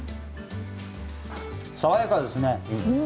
爽やかですね。